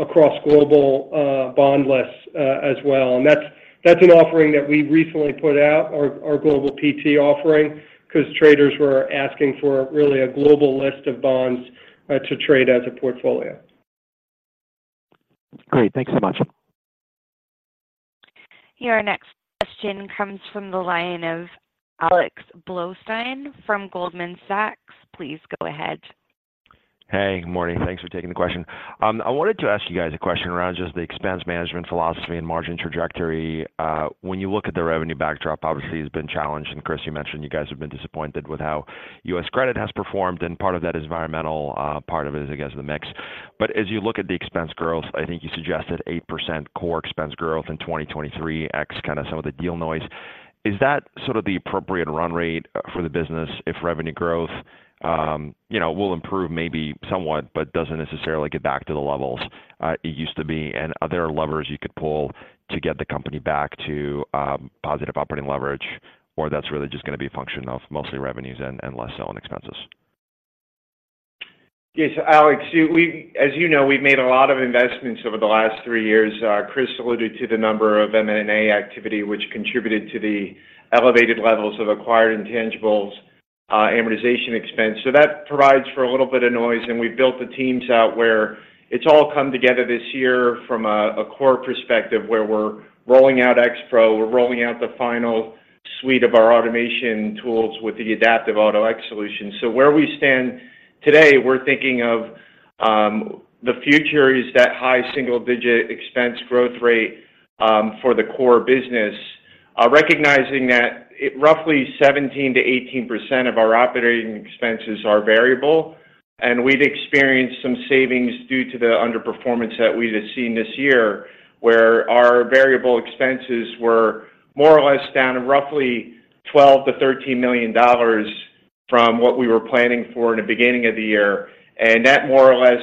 across global bond lists as well. And that's an offering that we recently put out, our global PT offering, because traders were asking for really a global list of bonds to trade as a portfolio. Great. Thank you so much. ... Your next question comes from the line of Alex Blostein from Goldman Sachs. Please go ahead. Hey, good morning. Thanks for taking the question. I wanted to ask you guys a question around just the expense management philosophy and margin trajectory. When you look at the revenue backdrop, obviously, it's been challenged, and Chris, you mentioned you guys have been disappointed with how U.S. credit has performed, and part of that is environmental, part of it is, I guess, the mix. But as you look at the expense growth, I think you suggested 8% core expense growth in 2023 ex kind of some of the deal noise. Is that sort of the appropriate run rate for the business if revenue growth, you know, will improve maybe somewhat, but doesn't necessarily get back to the levels it used to be? Are there levers you could pull to get the company back to positive operating leverage, or that's really just gonna be a function of mostly revenues and less selling expenses? Yes, Alex, as you know, we've made a lot of investments over the last three years. Chris alluded to the number of M&A activity, which contributed to the elevated levels of acquired intangibles, amortization expense. So that provides for a little bit of noise, and we've built the teams out where it's all come together this year from a core perspective, where we're rolling out XPro, we're rolling out the final suite of our automation tools with the Adaptive Auto-X solution. So where we stand today, we're thinking of, the future is that high single-digit expense growth rate, for the core business. Recognizing that roughly 17%-18% of our operating expenses are variable, and we've experienced some savings due to the underperformance that we have seen this year, where our variable expenses were more or less down roughly $12 million-$13 million from what we were planning for in the beginning of the year. That more or less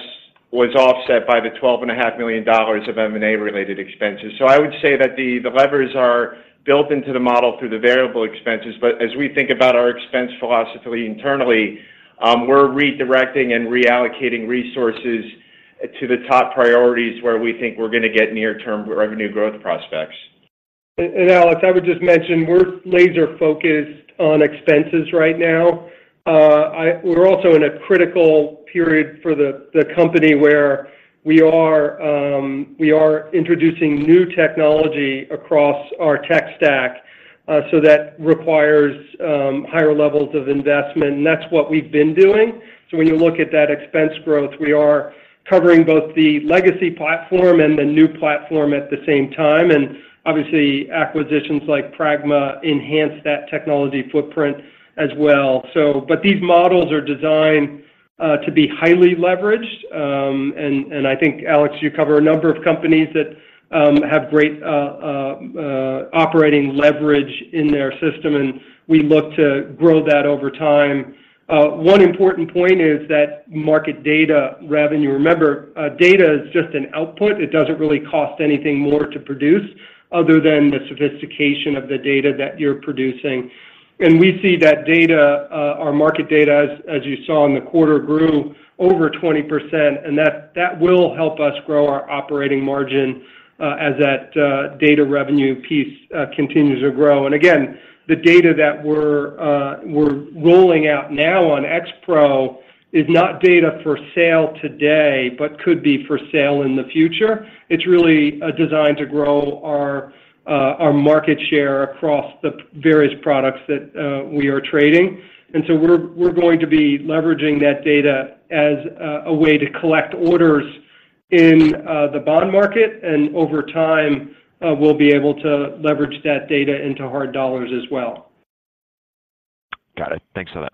was offset by the $12.5 million of M&A-related expenses. I would say that the levers are built into the model through the variable expenses, but as we think about our expense philosophy internally, we're redirecting and reallocating resources to the top priorities where we think we're gonna get near-term revenue growth prospects. Alex, I would just mention, we're laser-focused on expenses right now. We're also in a critical period for the company where we are introducing new technology across our tech stack, so that requires higher levels of investment, and that's what we've been doing. So when you look at that expense growth, we are covering both the legacy platform and the new platform at the same time, and obviously, acquisitions like Pragma enhance that technology footprint as well. But these models are designed to be highly leveraged, and I think, Alex, you cover a number of companies that have great operating leverage in their system, and we look to grow that over time. One important point is that market data revenue... Remember, data is just an output. It doesn't really cost anything more to produce other than the sophistication of the data that you're producing. And we see that data, our market data, as you saw in the quarter, grew over 20%, and that will help us grow our operating margin, as that data revenue piece continues to grow. And again, the data that we're rolling out now on X-Pro is not data for sale today but could be for sale in the future. It's really designed to grow our market share across the various products that we are trading. And so we're going to be leveraging that data as a way to collect orders in the bond market, and over time, we'll be able to leverage that data into hard dollars as well. Got it. Thanks for that.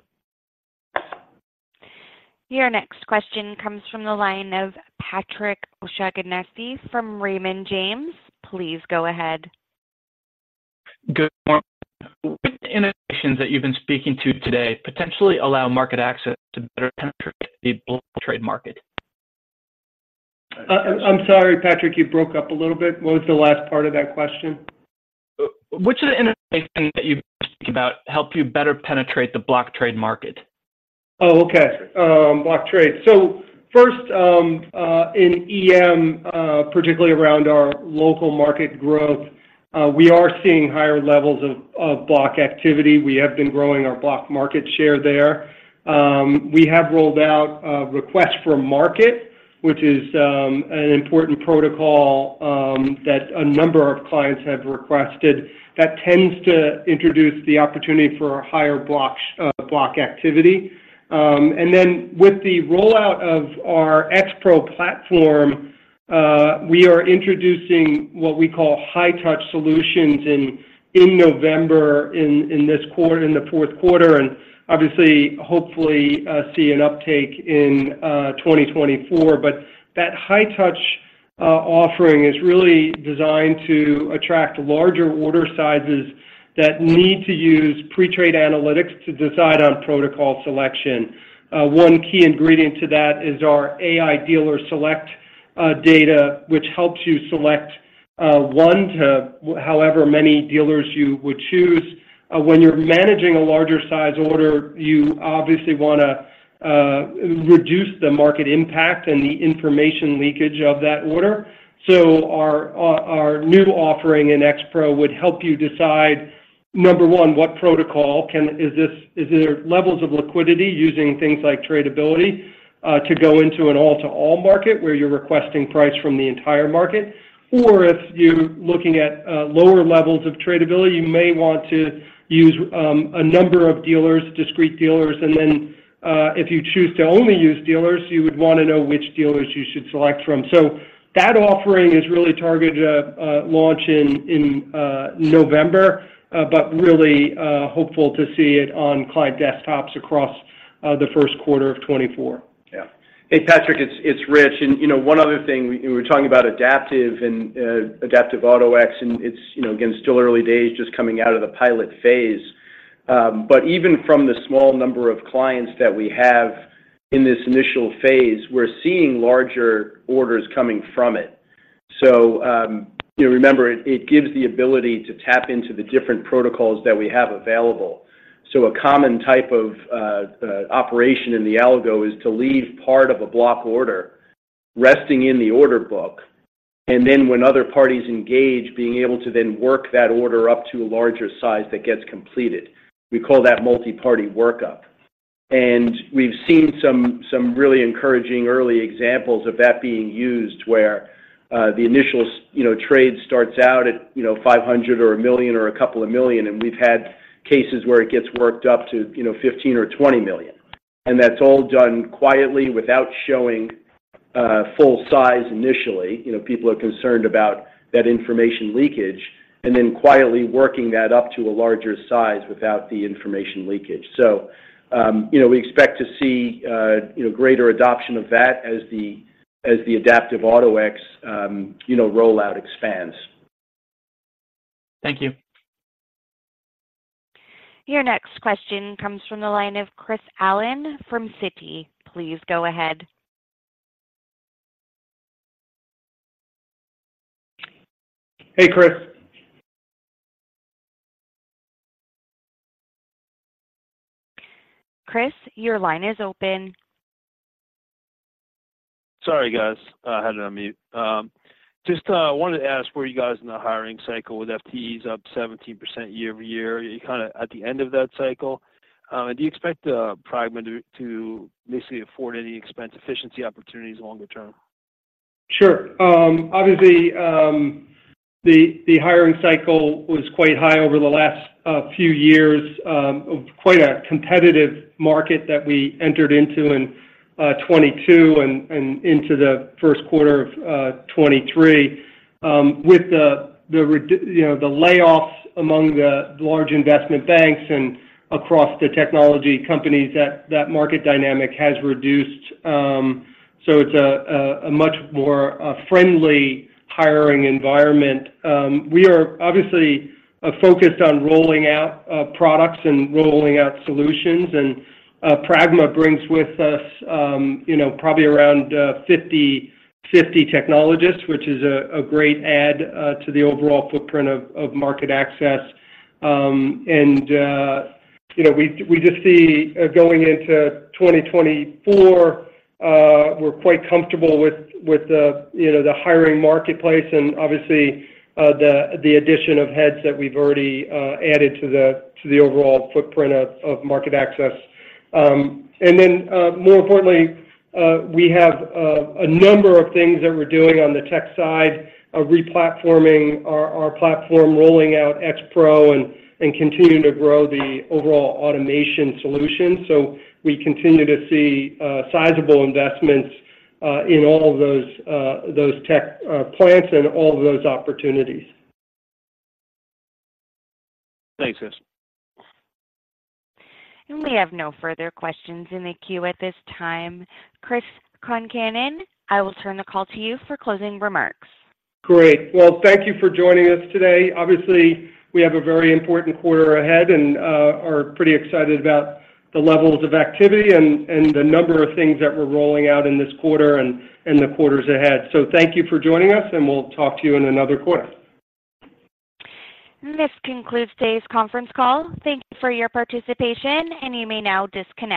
Your next question comes from the line of Patrick O'Shaughnessy from Raymond James. Please go ahead. Good morning. Innovations that you've been speaking to today potentially allow MarketAxess to better penetrate the block trade market? I'm sorry, Patrick, you broke up a little bit. What was the last part of that question? Which of the innovations that you've spoken about help you better penetrate the block trade market? Oh, okay. Block trade. So first, in EM, particularly around our local market growth, we are seeing higher levels of block activity. We have been growing our block market share there. We have rolled out a Request for Market, which is an important protocol that a number of clients have requested that tends to introduce the opportunity for higher block activity. And then with the rollout of our X-Pro platform, we are introducing what we call High-Touch solutions in November, in this quarter - in the fourth quarter, and obviously, hopefully, see an uptake in 2024. But that High-Touch offering is really designed to attract larger order sizes that need to use pre-trade analytics to decide on protocol selection. One key ingredient to that is our AI dealer select data, which helps you select one to however many dealers you would choose. When you're managing a larger size order, you obviously wanna reduce the market impact and the information leakage of that order. So our new offering in X-Pro would help you decide, Number one, what protocol is this, is there levels of liquidity using things like tradability to go into an all-to-all market where you're requesting price from the entire market? Or if you're looking at lower levels of tradability, you may want to use a number of dealers, discrete dealers. And then, if you choose to only use dealers, you would want to know which dealers you should select from. So that offering is really targeted to launch in November, but really hopeful to see it on client desktops across the first quarter of 2024. Yeah. Hey, Patrick, it's Rich. And, you know, one other thing, we were talking about adaptive and Adaptive Auto-X, and it's, you know, again, still early days, just coming out of the pilot phase. But even from the small number of clients that we have in this initial phase, we're seeing larger orders coming from it. So, you know, remember, it gives the ability to tap into the different protocols that we have available. So a common type of operation in the algo is to leave part of a block order resting in the order book, and then when other parties engage, being able to then work that order up to a larger size that gets completed. We call that Multi-Party Workup. We've seen some really encouraging early examples of that being used, where the initial trade starts out at, you know, $500 or $1 million or a couple of million, and we've had cases where it gets worked up to, you know, $15 million or $20 million. That's all done quietly without showing full size initially, you know, people are concerned about that information leakage, and then quietly working that up to a larger size without the information leakage. You know, we expect to see, you know, greater adoption of that as the adaptive AutoX rollout expands. Thank you. Your next question comes from the line of Chris Allen from Citi. Please go ahead. Hey, Chris. Chris, your line is open. Sorry, guys, I had it on mute. Just wanted to ask, where are you guys in the hiring cycle with FTEs up 17% year-over-year? Are you kind of at the end of that cycle? And do you expect Pragma to basically afford any expense efficiency opportunities longer term? Sure. Obviously, the hiring cycle was quite high over the last few years of quite a competitive market that we entered into in 2022 and into the first quarter of 2023. With you know, the layoffs among the large investment banks and across the technology companies, that market dynamic has reduced. So it's a much more friendly hiring environment. We are obviously focused on rolling out products and rolling out solutions, and Pragma brings with us you know, probably around 50 technologists, which is a great add to the overall footprint of MarketAxess. And, you know, we just see going into 2024, we're quite comfortable with the hiring marketplace and obviously the addition of heads that we've already added to the overall footprint of MarketAxess. And then, more importantly, we have a number of things that we're doing on the tech side of re-platforming our platform, rolling out X-Pro and continuing to grow the overall automation solution. So we continue to see sizable investments in all of those tech plans and all of those opportunities. Thanks, guys. We have no further questions in the queue at this time. Chris Concannon, I will turn the call to you for closing remarks. Great. Well, thank you for joining us today. Obviously, we have a very important quarter ahead and are pretty excited about the levels of activity and the number of things that we're rolling out in this quarter and the quarters ahead. So thank you for joining us, and we'll talk to you in another quarter. This concludes today's conference call. Thank you for your participation, and you may now disconnect.